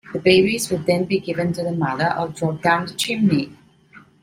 The babies would then be given to the mother or dropped down the chimney.